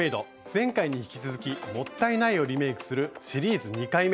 前回に引き続き「もったいない」をリメイクするシリーズ２回目。